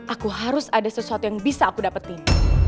aku harus ada sesuatu yang bisa aku dapetin